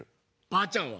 ばあちゃんは？